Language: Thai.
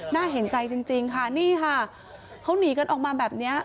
น่าเห็นใจจริงค่ะนี่ค่ะเขาหนีกันออกมาแบบนี้